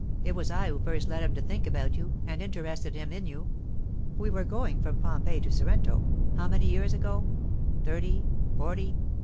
It was I who first led him to think about you, and interested him in you. We were going from Pompeii to Sorrento how many years ago? thirty, forty?